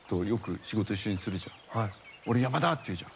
俺、山田って言うじゃん。